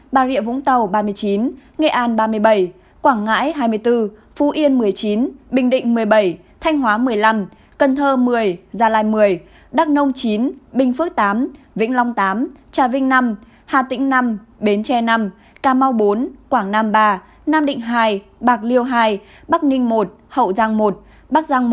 bà rịa vũng tàu ba mươi chín nghệ an ba mươi bảy quảng ngãi hai mươi bốn phú yên một mươi chín bình định một mươi bảy thanh hóa một mươi năm cần thơ một mươi gia lai một mươi đắk nông chín bình phước tám vĩnh long tám trà vinh năm hà tĩnh năm bến tre năm cà mau bốn quảng nam ba nam định hai bạc liêu hai bắc ninh một hậu giang một bắc giang một